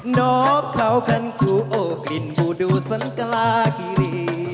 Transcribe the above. นอกเขาคันกูโอ้กลิ่นบูดูสันกลากิรี